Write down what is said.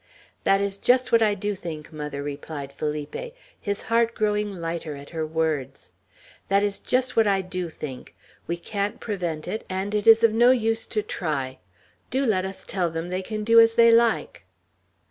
"That's just what I do think, mother," replied Felipe, his heart growing lighter at her words. "That's just what I do think. We can't prevent it, and it is of no use to try. Do let us tell them they can do as they like."